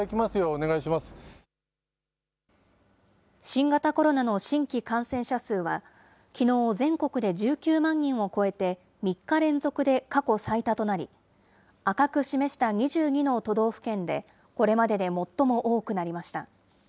新型コロナの新規感染者数は、きのう、全国で１９万人を超えて、３日連続で過去最多となり、赤く示した２２の都道府県で、これまでで最も多くなりました。